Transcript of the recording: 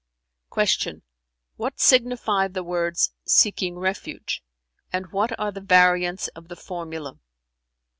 '"[FN#362] Q "What signify the words 'seeking refuge'[FN#363] and what are the variants of the formula?"